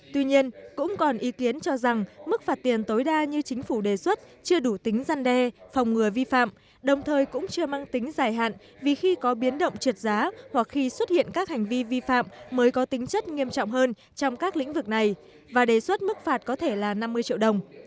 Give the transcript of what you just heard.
tuy nhiên cũng còn ý kiến cho rằng mức phạt tiền tối đa như chính phủ đề xuất chưa đủ tính gian đe phòng ngừa vi phạm đồng thời cũng chưa mang tính dài hạn vì khi có biến động trượt giá hoặc khi xuất hiện các hành vi vi phạm mới có tính chất nghiêm trọng hơn trong các lĩnh vực này và đề xuất mức phạt có thể là năm mươi triệu đồng